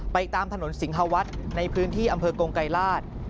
ตามถนนสิงหาวัฒน์ในพื้นที่อำเภอกงไกรราช